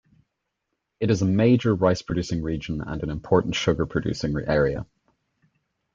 It is a major rice-producing region and an important sugar-producing area.